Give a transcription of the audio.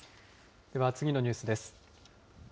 では次のニュースです。